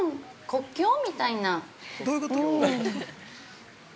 国境？みたいな。